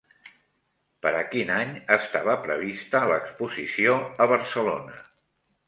Per a quin any estava prevista l'exposició a Barcelona?